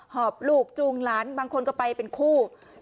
หอบลูกจูงหลานบางคนก็ไปเป็นคู่